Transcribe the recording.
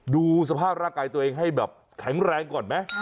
ดูสภาพร่างกายตัวเองให้แบบแข็งแรงก่อนไหม